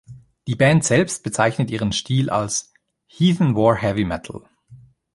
Die Band selbst bezeichnet ihren Stil als "Heathen War Heavy Metal".